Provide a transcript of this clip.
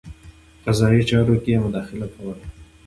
په قضايي چارو کې یې مداخله کوله.